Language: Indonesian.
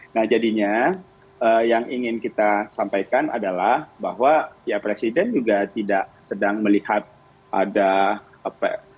nah jadinya yang ingin kita sampaikan adalah bahwa ya presiden juga tidak sedang melihat ada apa